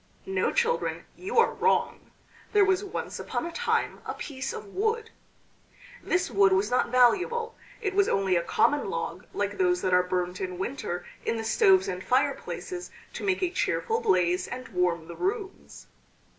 No, children, you are wrong. There was once upon a time a piece of wood. This wood was not valuable; it was only a common log like those that are burnt in winter in the stoves and fireplaces to make a cheerful blaze and warm the rooms.